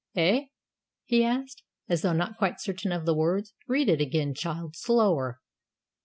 "Eh?" he asked, as though not quite certain of the words. "Read it again, child, slower.